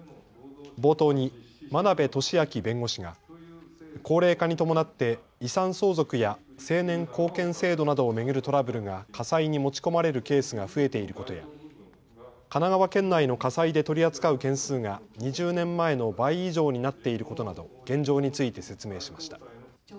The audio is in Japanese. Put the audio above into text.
冒頭に間部俊明弁護士が高齢化に伴って遺産相続や成年後見制度などを巡るトラブルが家裁に持ち込まれるケースが増えていることや神奈川県内の家裁で取り扱う件数が２０年前の倍以上になっていることなど現状について説明しました。